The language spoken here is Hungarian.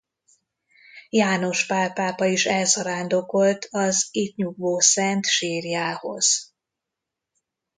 János Pál pápa is elzarándokolt az itt nyugvó szent sírjához.